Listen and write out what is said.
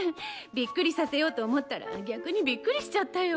びっくりさせようと思ったら逆にびっくりしちゃったよ。